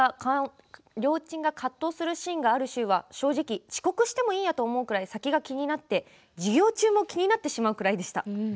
りょーちんが葛藤するシーンがある週は正直、遅刻してもいいやというくらい先が気になって授業中も気になってしまうくらいでした。